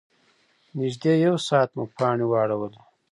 نږدې یو ساعت مو پانې واړولې.